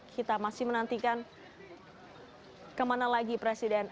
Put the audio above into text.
kita masih menantikan kemana lagi presiden